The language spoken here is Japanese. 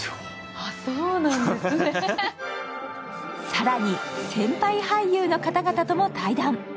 更に、先輩俳優の方々とも対談。